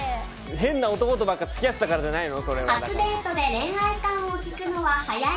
変な男とばっか付き合ってたからじゃないの？